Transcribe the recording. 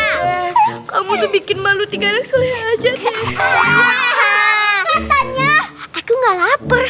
aku enggak laper waktu characteristics